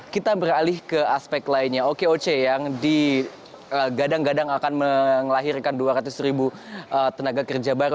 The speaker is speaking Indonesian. kita beralih ke aspek lainnya okoc yang digadang gadang akan melahirkan dua ratus ribu tenaga kerja baru